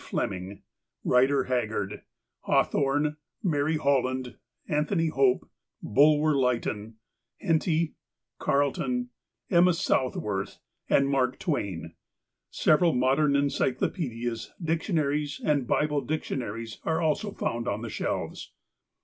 Fleming, Eider Haggard, Hawthorne, Mary Holland, Anthony Hope, Bulwer Lytton, Henty, Carleton, Emma Southworth, and Mark Twain. Several modern encyclopedias, dictionaries, and Bible dictiona ries are also found on the shelves.